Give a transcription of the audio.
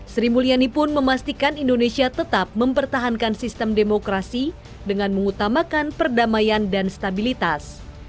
sri mulyani pun memastikan indonesia tetap mempertahankan sistem demokrasi dengan mengutamakan perdamaian dan stabilitas